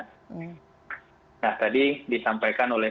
nah tadi disampaikan oleh